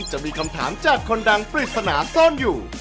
จะมีคำถามจากคนดังปริศนาซ่อนอยู่